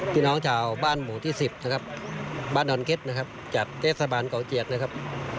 พี่น้องชาวบ้านหมู่ที่๑๐นะครับบ้านดอนเก็ตนะครับจากเทศบาลเก่าเจียดนะครับ